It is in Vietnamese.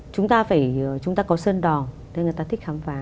chúng ta có sơn đò nên người ta thích khám phá